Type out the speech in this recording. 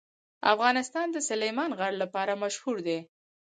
افغانستان د سلیمان غر لپاره مشهور دی.